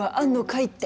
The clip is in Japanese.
って。